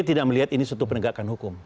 dia tidak melihat ini sebagai penegakan hukum